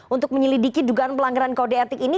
untuk menyelidiki dugaan pelanggaran kode etik ini